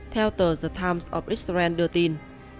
theo tờ the times of israel đưa tin